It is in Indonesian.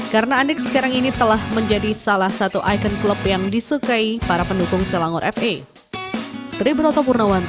karena andik sekarang ini telah menjadi salah satu ikon klub yang disukai para pendukung selangor fa